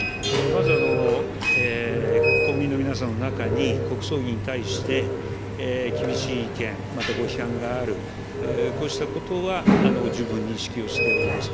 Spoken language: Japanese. まず、国民の皆さんの中に、国葬儀に対して、厳しい意見、またご批判がある、こうしたことは十分認識をしております。